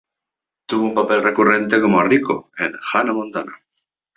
Tuvo un papel recurrente como Rico en "Hannah Montana".